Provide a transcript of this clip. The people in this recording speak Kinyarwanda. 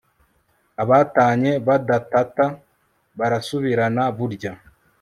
abatanye badatata barasubirana burya